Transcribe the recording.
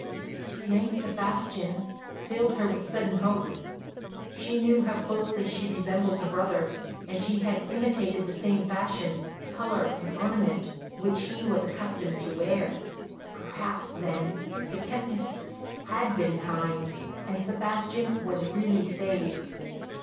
This name "Sebastian" filled her with sudden hope; she knew how closely she resembled her brother, and she had imitated the same fashion, colour, and ornament which he was accustomed to wear. Perhaps, then, the tempests had been kind and Sebastian was really saved.